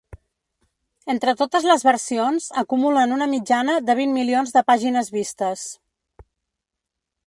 Entre totes les versions, acumulen una mitjana de vint milions de pàgines vistes.